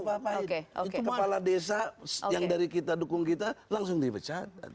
itu kepala desa yang dari kita dukung kita langsung dipecat